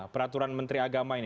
peraturan menteri agama ini